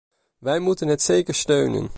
Wij moeten het zeker steunen.